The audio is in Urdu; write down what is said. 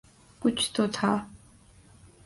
کچھ تو تھا۔